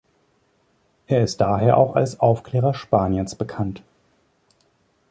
Er ist daher auch als „Aufklärer Spaniens“ bekannt.